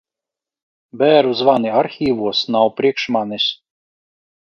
Bēru zvani arhīvos nav priekš manis.